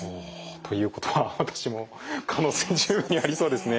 ということは私も可能性十分にありそうですね。